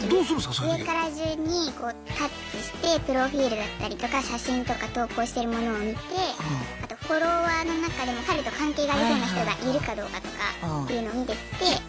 上から順にこうタッチしてプロフィールだったりとか写真とか投稿してるものを見てあとフォロワーの中でも彼と関係がありそうな人がいるかどうかとかっていうのを見てって。